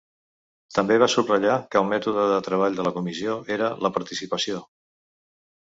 També va subratllar que el mètode de treball de la comissió era la participació.